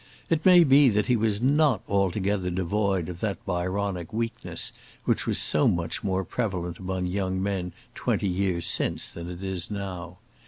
It may be that he was not altogether devoid of that Byronic weakness which was so much more prevalent among young men twenty years since than it is now.